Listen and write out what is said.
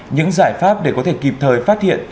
những giải pháp để có thể kịp thời phát hiện